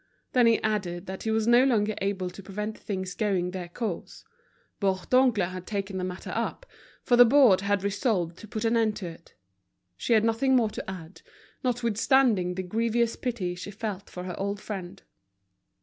Then he added that he was no longer able to prevent things going their course. Bourdoncle had taken the matter up, for the board had resolved to put an end to it. She had nothing more to add, notwithstanding the grievous pity she felt for her old friend.